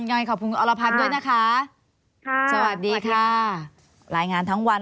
ยังไงขอบคุณคุณอรพันธ์ด้วยนะคะค่ะสวัสดีค่ะรายงานทั้งวัน